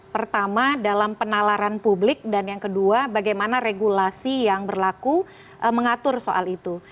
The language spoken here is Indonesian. pertama dalam penalaran publik dan yang kedua bagaimana regulasi yang berlaku mengatur soal itu